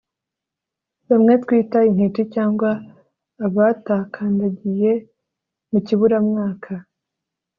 bamwe twita intiti cyangwa abatakandagiye mu kiburamwaka